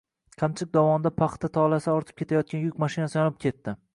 Qamchiq dovonida paxta tolasi ortib ketayotgan yuk mashinasi yonib ketdi